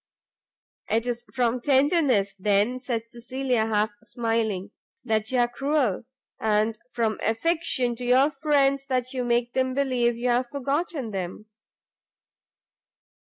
"'Tis from tenderness, then," said Cecilia, half smiling, "that you are cruel, and from affection to your friends that you make them believe you have forgotten them?"